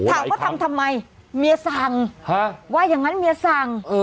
ถามว่าทำทำไมเมียสั่งว่าอย่างนั้นเมียสั่ง